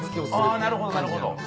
あなるほどなるほど。